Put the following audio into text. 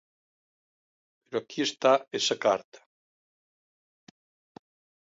Pero aquí está esa carta.